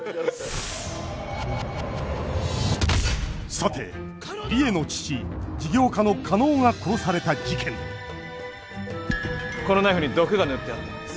さて梨江の父事業家の加納が殺された事件このナイフに毒が塗ってあったんです。